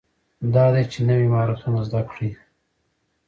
دا دی چې نوي مهارتونه زده کړئ.